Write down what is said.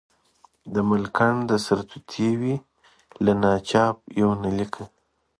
د ملکنډ د سرتوتي وی، له ناچاپ یونلیکه.